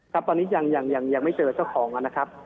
ครับตอนนี้ยังไม่เจอเจ้าของนะครับ